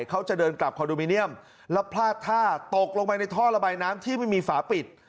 เขาจะเดินกลับคอนโดมิเนียมแล้วพลาดท่าตกลงไปในท่อระบายน้ำที่ไม่มีฝาปิด